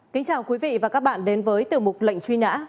kính chào quý vị và các bạn đến với tiểu mục lệnh truy nã